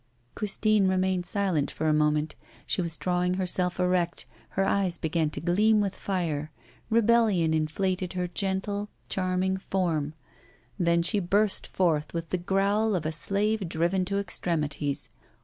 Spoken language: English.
Christine remained silent for a moment. She was drawing herself erect, her eyes began to gleam with fire, rebellion inflated her gentle, charming form. Then she burst forth, with the growl of a slave driven to extremities.